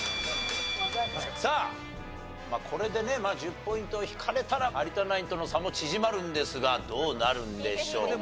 さあこれでね１０ポイント引かれたら有田ナインとの差も縮まるんですがどうなるんでしょうか。